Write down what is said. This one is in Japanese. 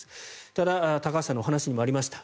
ただ、高橋さんのお話にもありました。